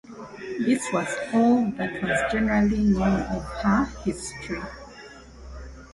This was all that was generally known of her history.